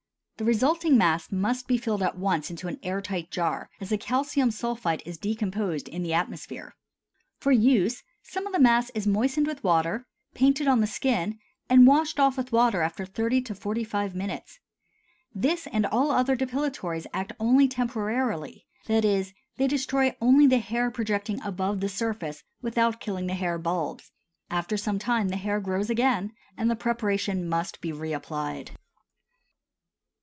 The resulting mass must be filled at once into an air tight jar, as the calcium sulphide is decomposed in the atmosphere. For use, some of the mass is moistened with water, painted on the skin, and washed off with water after thirty to forty five minutes. This and all other depilatories act only temporarily, that is, they destroy only the hair projecting above the surface without killing the hair bulbs; after some time the hair grows again and the preparation must be reapplied.